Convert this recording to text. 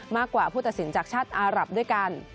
มากกว่าผู้ตัดสินจากชาติอารับด้วยกัน